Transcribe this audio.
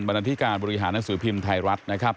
บรรณฑิการบริหารหนังสือพิมพ์ไทยรัฐ